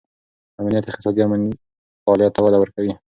امنیت اقتصادي فعالیت ته وده ورکوي.